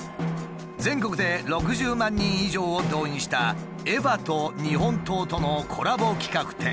全国で６０万人以上を動員した「エヴァ」と日本刀とのコラボ企画展。